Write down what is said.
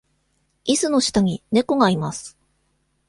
いすの下に猫がいます。